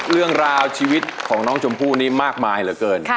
เรื่องราวชีวิตของน้องชมพู่นี้มากมายเหลือเกิน